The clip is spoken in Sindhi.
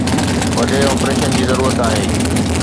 وڏي آپريشن جي ضرورت آهي